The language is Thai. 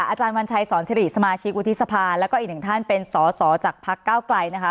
อาจารย์วัญชัยสอนสิริสมาชิกวุฒิสภาแล้วก็อีกหนึ่งท่านเป็นสอสอจากพักเก้าไกลนะคะ